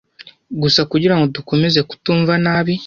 gusa kugirango dukomeze kutumva nabi;